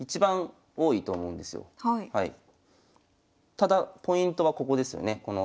ただポイントはここですよね。